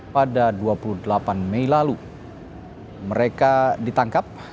pada dua puluh delapan mei lalu mereka ditangkap